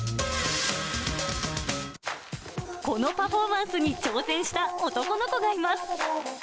このパフォーマンスに挑戦した男の子がいます。